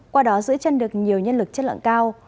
qua đó giữ chân được nhiều nhân lực chất lượng cao